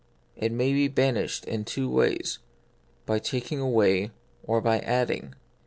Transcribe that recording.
It may be banished in two ways — by taking away, or by adding.